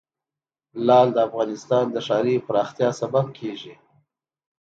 لعل د افغانستان د ښاري پراختیا سبب کېږي.